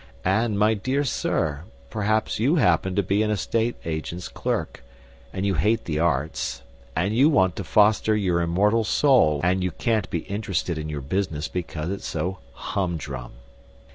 And, my dear sir, perhaps you happen to be an estate agent's clerk, and you hate the arts, and you want to foster your immortal soul, and you can't be interested in your business because it's so humdrum.